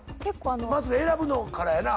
まず選ぶのからやな